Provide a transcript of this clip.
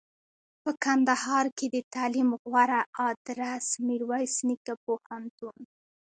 په کندهار کښي دتعلم غوره ادرس میرویس نیکه پوهنتون